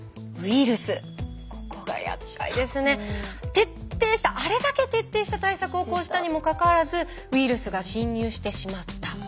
徹底したあれだけ徹底した対策を講じたにもかかわらずウイルスが侵入してしまった。